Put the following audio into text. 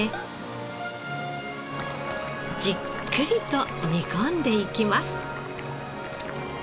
じっくりと煮込んでいきます。